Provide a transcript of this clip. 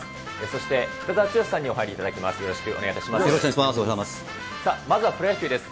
そして北澤豪さんにお入りいただきます。